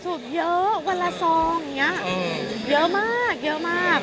เยอะวันละซองอย่างนี้เยอะมากเยอะมาก